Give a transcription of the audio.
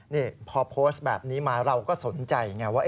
นี่พอโพสต์แบบนี้มาเราก็สนใจไงว่า